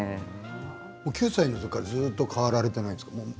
９歳のときからずっと変わられていないんですか。